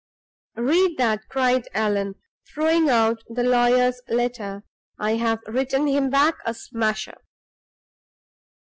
"Read that," cried Allan, throwing out the lawyer's letter; "I've written him back a smasher."